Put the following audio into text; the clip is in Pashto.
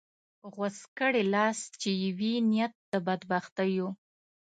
غوڅ کړې لاس چې یې وي نیت د بدبختیو